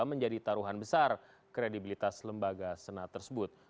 menjadi taruhan besar kredibilitas lembaga senat tersebut